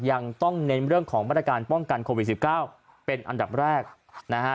ยังต้องเน้นเรื่องของมาตรการป้องกันโควิด๑๙เป็นอันดับแรกนะฮะ